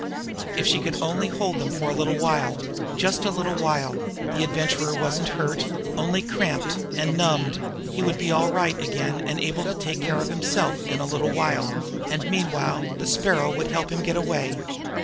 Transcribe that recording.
If she could only hold them now for a little while just a little while the Adventurer wasn't hurt only cramped and numbed he would be all right again and able to take care of himself in a little while and meanwhile the Sparrow would help him to get away.